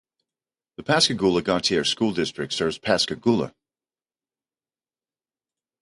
The Pascagoula-Gautier School District serves Pascagoula.